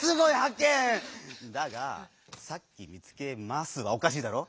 だが「さっきみつけます」はおかしいだろ？